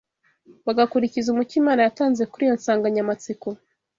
bagakurikiza umucyo Imana yatanze kuri iyo nsanganyamatsiko